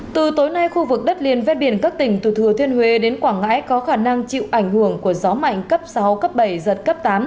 từ tối nay khu vực đất liền ven biển các tỉnh từ thừa thiên huế đến quảng ngãi có khả năng chịu ảnh hưởng của gió mạnh cấp sáu cấp bảy giật cấp tám